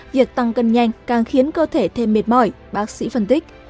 việc tăng cân nhanh càng khiến cơ thể thêm mệt mỏi bác sĩ phân tích